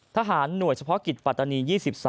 ทหารหน่วยศักดิ์ภาคกิจปัตตานี๒๓